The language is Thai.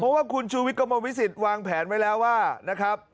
เพราะว่าคุณชูวิกมวิสิทธิ์วางแผนไว้แล้วว่านะครับ